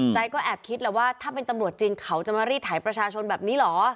ก็แอบคิดแหละว่าถ้าเป็นตำรวจจริงเขาจะมารีดไถประชาชนแบบนี้เหรอ